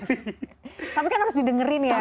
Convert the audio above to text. tapi kan harus didengerin ya